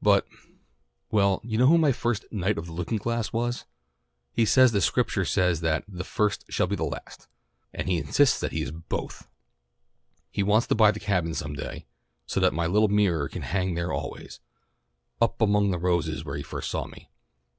But well, you know who my first 'Knight of the Looking glass' was. He says the Scripture says that 'the first shall be last,' and he insists he is both. He wants to buy the Cabin some day, so that my little mirror can hang there always, up among the roses where he first saw me.